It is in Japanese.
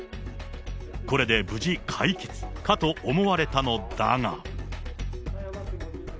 これで無事解決かと思われたのだが。